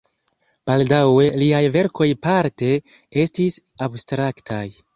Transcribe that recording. Baldaŭe liaj verkoj parte estis abstraktaj.